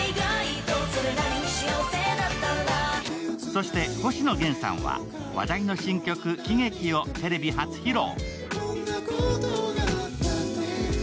そして星野源さんは話題の新曲「喜劇」をテレビ初披露。